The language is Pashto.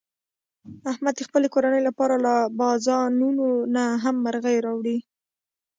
احمد د خپلې کورنۍ لپاره له بازانونه نه هم مرغۍ راوړي.